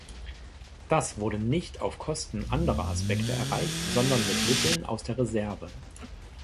Das wurde nicht auf Kosten anderer Aspekte erreicht, sondern mit Mitteln aus der Reserve.